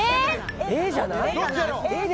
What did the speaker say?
Ａじゃない。